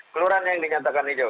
kelurahan yang dinyatakan hijau